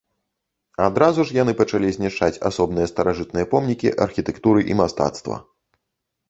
Адразу ж яны пачалі знішчаць асобныя старажытныя помнікі архітэктуры і мастацтва.